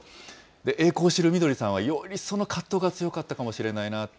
栄光を知るみどりさんは、よりその葛藤が強かったかもしれないなと。